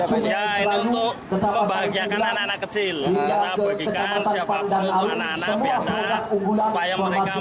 uang baru ini ya